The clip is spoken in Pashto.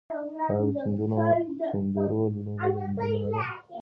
آیا د چيندرو لوبه د نجونو نه ده؟